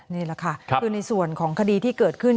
นี่แหละค่ะคือในส่วนของคดีที่เกิดขึ้น